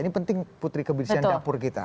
ini penting putri kebersihan dapur kita